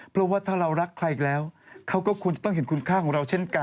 เพราะว่าถ้าเรารักใครอีกแล้วเขาก็ควรจะต้องเห็นคุณค่าของเราเช่นกัน